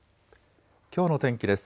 きょうの天気です。